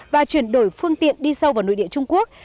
và chuyển đổi phương tiện đi sâu vào nội địa trung quốc